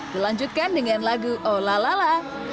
dilanjutkan dengan lagu oh la la la